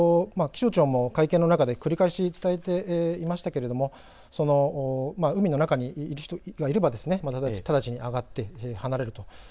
気象庁も会見の中で繰り返し伝えていましたけれども海の中に人がいれば直ちに上がって離れる。